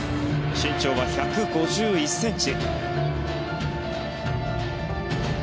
身長は１５１ｃｍ。